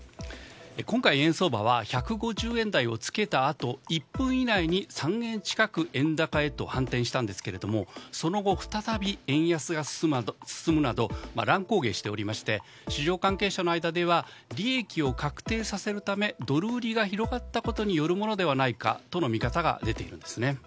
今回、円相場は１５０円台をつけたあと１分以内に３円近く円高へと反転したんですけどもその後、再び円安が進むなど乱高下しておりまして市場関係者の間では利益を確定させるためドル売りが広がったことによるものではないかという見方が出ているんです。